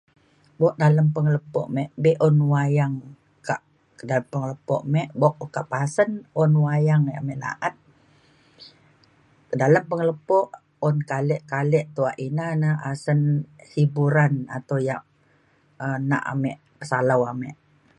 buk dalem pengelepo me be’un wayang kak [unintelligible] lepo me buk kak pasen un wayang ia’ ame na’at dalem pengelepo un kalek kalek tuak ina na asen hiburan atau ia’ um nak ame salau ame